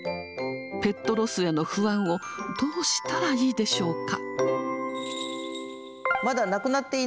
ペットロスへの不安をどうしたらいいでしょうか。